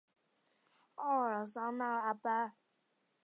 奥尔桑讷人口变化图示